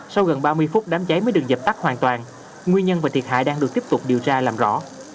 sau gần ba mươi phút đám cháy mới được dập tắt hoàn toàn nguyên nhân và thiệt hại đang được tiếp tục điều tra làm rõ